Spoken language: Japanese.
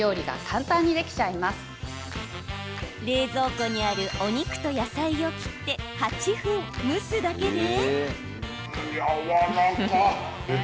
冷蔵庫にあるお肉と野菜を切って８分、蒸すだけで。